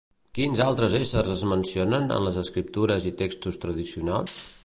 Quins altres éssers es mencionen en les Escriptures i textos tradicionals?